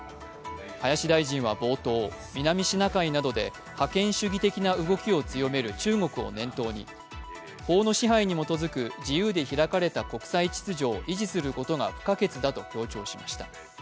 林大臣は冒頭、南シナ海などで覇権主義的な動きを強める中国を念頭に法の支配に基づく自由で開かれた国際秩序を維持することが不可欠だと強調しました。